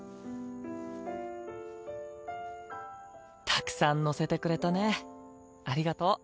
たくさん乗せてくれたねありがとう。